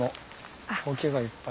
苔がいっぱい。